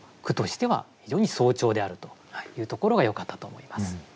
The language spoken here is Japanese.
句としては非常に荘重であるというところがよかったと思います。